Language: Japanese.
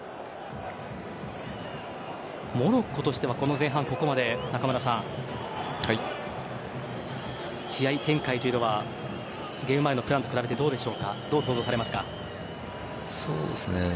モロッコとしてはこの前半、ここまで中村さん、試合展開というのはゲーム前のプランと比べてどう想像されますか？